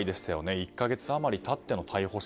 １か月余り経っての逮捕者。